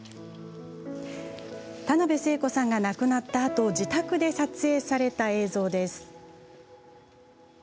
田辺聖子さんが亡くなったあと自宅で撮影された映像です。